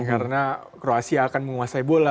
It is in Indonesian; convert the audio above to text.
karena kroasia akan menguasai bola